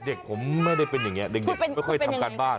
เด็กผมไม่ได้เป็นอย่างนี้เด็กไม่ค่อยทำการบ้าน